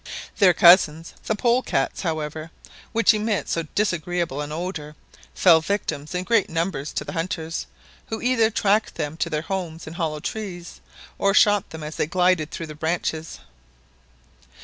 Their cousins, the polecats, however, which emit so disagreeable an odour, fell victims in great numbers to the hunters, who either tracked them to their homes in hollow trees, or shot them as they glided through the branches.